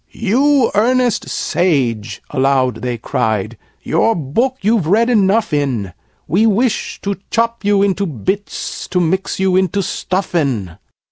"You earnest Sage!" aloud they cried, "your book you've read enough in! We wish to chop you into bits to mix you into Stuffin'!"